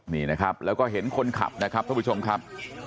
นี่นะครับแล้วก็เห็นคนขับนะครับท่านผู้ชมครับ